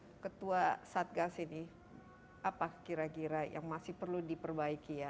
jadi ketua satgas ini apa kira kira yang masih perlu diperbaiki ya